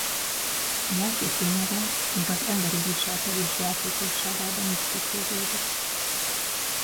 A játék lényege még az emberi viselkedés játékosságában is tükröződik.